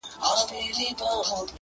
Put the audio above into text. هله بهیاره بیا له دې باغه مېوې وباسو,